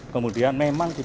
kemudian memang kita